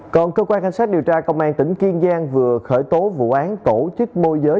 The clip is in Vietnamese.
còn cơ quan cảnh sát điều tra công an tỉnh kiên giang vừa khởi tố vụ án tổ chức môi giới